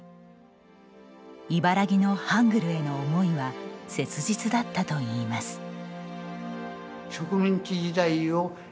茨木のハングルへの思いは切実だったといいます。